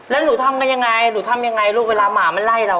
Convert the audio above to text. แล้วหนูทำกันยังไงหนูทำยังไงลูกเวลาหมามันไล่เรา